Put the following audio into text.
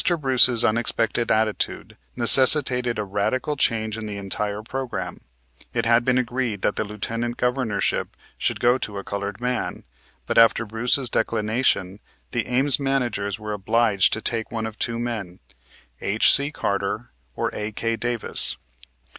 Bruce's unexpected attitude necessitated a radical change in the entire program. It had been agreed that the Lieutenant Governorship should go to a colored man, but after Brace's declination the Ames managers were obliged to take one of two men, H.C. Carter, or A.K. Davis.